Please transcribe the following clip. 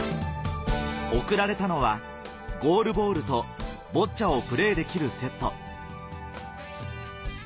贈られたのはゴールボールとボッチャをプレーできるセット